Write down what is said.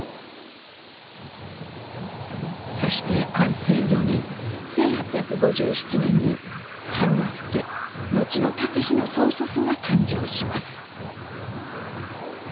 そして安政４年１８５７年に之助後の武司の曽祖父が誕生します。